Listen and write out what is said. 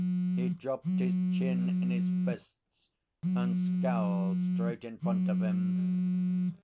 He dropped his chin in his fists and scowled straight in front of him....